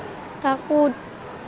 mata agak pedas